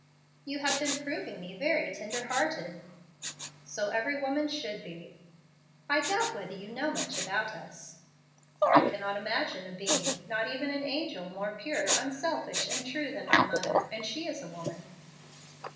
"You have been proving me very tender hearted." "So every woman should be." "I doubt whether you know much about us." "I cannot imagine a being not even an angel more pure, unselfish, and true than my mother; and she is a woman."